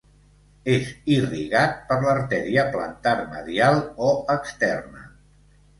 És irrigat per l'artèria plantar medial o externa.